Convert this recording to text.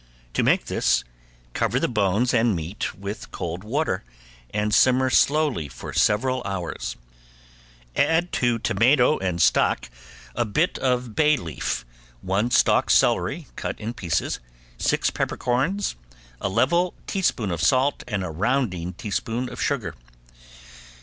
To make this cover the bones and meat with cold water and simmer slowly for several hours. Add to tomato and stock a bit of bay leaf, one stalk celery cut in pieces, six peppercorns, a level teaspoon of salt and a rounding teaspoon of sugar.